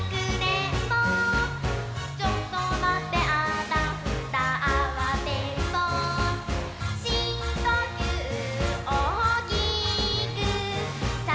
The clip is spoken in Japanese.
「ちょっとまってあたふたあわてんぼう」「しんこきゅうおおきくさあくうきをはいてすって」